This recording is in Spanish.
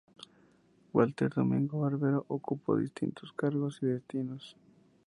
Walter Domingo Barbero ocupó distintos cargos y destinos.